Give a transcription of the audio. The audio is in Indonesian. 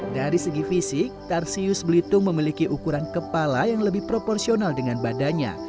dari segi fisik tarsius belitung memiliki ukuran kepala yang lebih proporsional dengan badannya